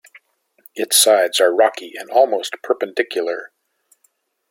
Its sides are rocky and almost perpendicular.